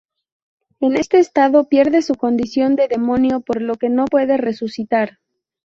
En este estado, pierde su condición de demonio por lo que no puede resucitar.